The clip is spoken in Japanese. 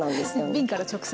瓶から直接。